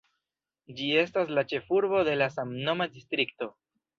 Ĝi estas la ĉefurbo de la samnoma distrikto.